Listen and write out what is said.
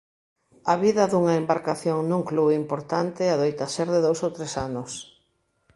A vida dunha embarcación nun club importante adoita ser de dous ou tres anos.